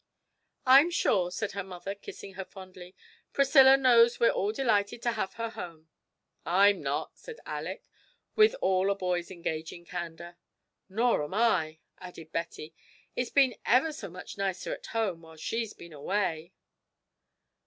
'I'm sure,' said her mother, kissing her fondly, 'Priscilla knows we're all delighted to have her home!' 'I'm not,' said Alick, with all a boy's engaging candour. 'Nor am I,' added Betty, 'it's been ever so much nicer at home while she's been away!'